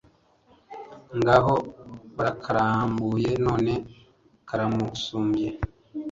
Ngaho barakarambuye none kara musumbye